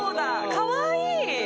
かわいい！